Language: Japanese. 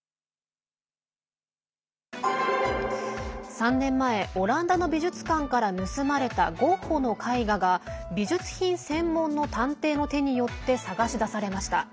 ３年前オランダの美術館から盗まれたゴッホの絵画が美術品専門の探偵の手によって捜し出されました。